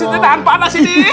ini tahan panas ini